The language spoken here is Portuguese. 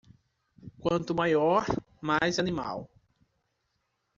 Quanto maior, mais animal.